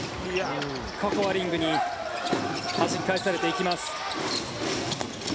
ここはリングにはじき返されていきます。